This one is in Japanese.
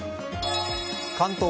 関東